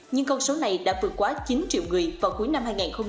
nhưng con số này đã vượt qua chín triệu người vào cuối năm hai nghìn hai mươi ba